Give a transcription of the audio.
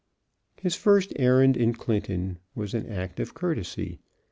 His first errand in Clinton was an act of courtesy.